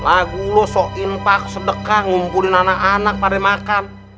lagu lo so impak sedekah ngumpulin anak anak pada makan